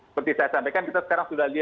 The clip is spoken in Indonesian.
seperti saya sampaikan kita sekarang sudah lihat